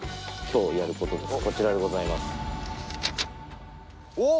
こちらでございます。